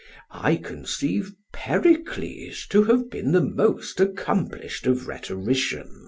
SOCRATES: I conceive Pericles to have been the most accomplished of rhetoricians.